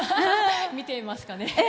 見ていますかね？